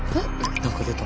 何か出た！